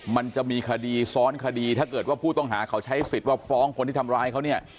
มันจะมีคดีซ้อนคดีถ้าเกิดว่าผู้ต้องหาเขาใช้สิทธิ์ว่าฟ้องคนที่ทำร้ายเขาเนี่ย